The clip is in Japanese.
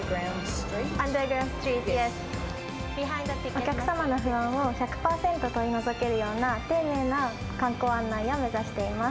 お客様の不安を１００％取り除けるような丁寧な観光案内を目指しています。